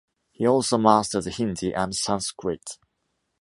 He also masters Hindi and Sanskrit.